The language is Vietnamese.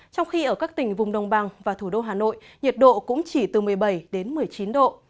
trong khi ở các tỉnh vùng đồng bằng và thủ đô hà nội nhiệt độ cũng chỉ từ một mươi bảy đến một mươi chín độ